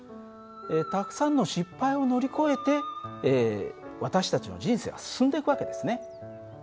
たくさんの失敗を乗り越えて私たちの人生は進んでいく訳ですね。